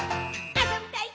あそびたい！」